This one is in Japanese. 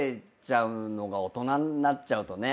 大人になっちゃうとね